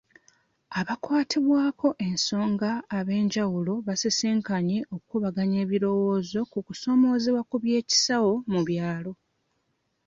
Abakwatibwako ensonga ab'enjawulo baasisinkanye okubaganya ebirowoozo ku kusomoozebwa ku by'ekisawo mu byalo.